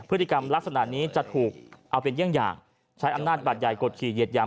พฤติกรรมลักษณะนี้จะถูกเอาเป็นเยี่ยงอย่างใช้อำนาจบัตรใหญ่กดขี่เหยียดอย่าง